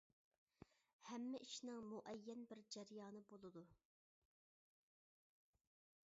ھەممە ئىشنىڭ مۇئەييەن بىر جەريانى بولىدۇ.